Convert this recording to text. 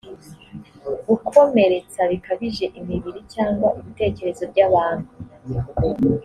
gukomeretsa bikabije imibiri cyangwa ibitekerezo by abantu